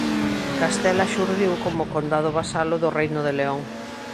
Castela xurdiu como condado vasalo do reino de León.